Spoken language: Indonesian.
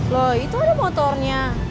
loh itu ada motornya